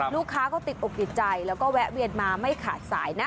ลูกค้าก็ติดอกติดใจแล้วก็แวะเวียนมาไม่ขาดสายนะ